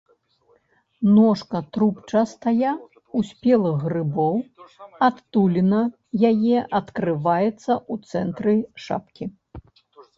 Ножка трубчастая, у спелых грыбоў адтуліна яе адкрываецца ў цэнтры шапкі.